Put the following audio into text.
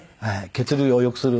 血流を良くする。